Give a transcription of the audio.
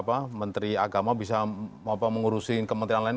apa menteri agama bisa mau apa mengurusin kementerian lain